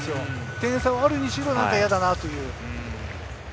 点差はあるにしろ嫌だなという。